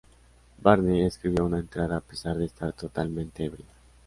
Barney escribe una entrada a pesar de estar totalmente ebrio.